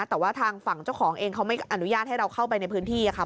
แต่ว่าทางฝั่งเจ้าของเองเขาไม่อนุญาตให้เราเข้าไปในพื้นที่ค่ะ